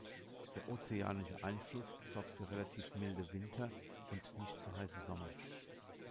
Der ozeanische Einfluss sorgt für relativ milde Winter und nicht zu heiße Sommer.